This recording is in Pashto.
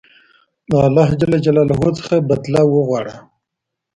له الله ج څخه بدله وغواړه.